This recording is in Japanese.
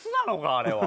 あれは。